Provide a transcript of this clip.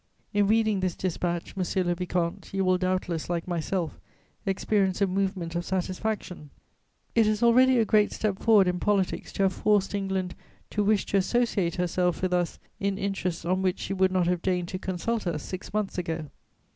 "In reading this dispatch, monsieur le vicomte, you will doubtless, like myself, experience a movement of satisfaction. It is already a great step forward in politics to have forced England to wish to associate herself with us in interests on which she would not have deigned to consult us six months ago.